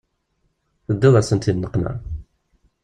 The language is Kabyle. Teddiḍ-asent di nneqma.